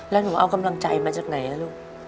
แล้วหนูเอากำลังใจมาจากไหนลูก